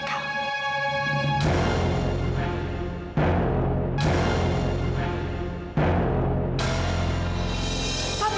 tidak tidak tidak